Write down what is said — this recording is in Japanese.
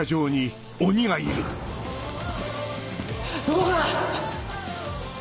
動くな！